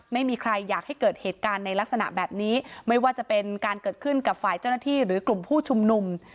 ไม่มีใครอยากให้เกิดเหตุการณ์ในลักษณะแบบนี้ไม่ว่าจะเป็นการเกิดขึ้นกับฝ่ายเจ้าหน้าที่หรือกลุ่มผู้ชุมนุม